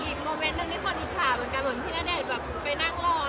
อีกโมเมนท์หนึ่งที่ขอดีถามเหมือนกัน